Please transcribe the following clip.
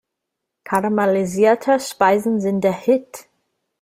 Karamellisierte Speisen sind der Hit!